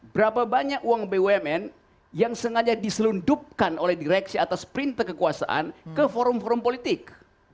berapa banyak uang bumn yang sengaja diselundupkan oleh direksi atas perintah kekuasaan ke forum forum politik